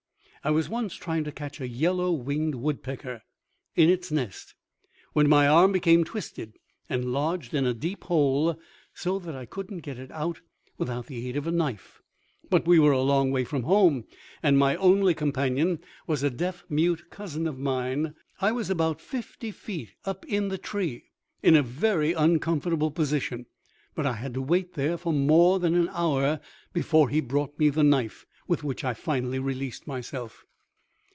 I was once trying to catch a yellow winged woodpecker in its nest when my arm became twisted and lodged in the deep hole so that I could not get it out without the aid of a knife; but we were a long way from home and my only companion was a deaf mute cousin of mine. I was about fifty feet up in the tree, in a very uncomfortable position, but I had to wait there for more than an hour before he brought me the knife with which I finally released myself.